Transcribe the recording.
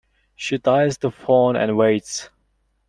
She dials the phone and waits.